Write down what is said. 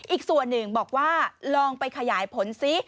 อีกส่วนหนึ่งบอกว่าลองไปขยายผลซิ